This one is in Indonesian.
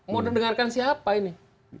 mau dengarkan siapa ini